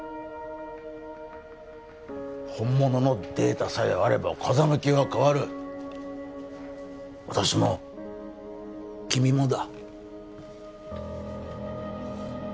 本物のデータさえあれば風向きは変わる私も君もだ